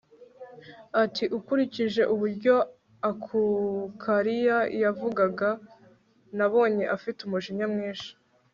ati ukurikije uburyo akukalia yavugaga nabonye afite umujinya mwinshi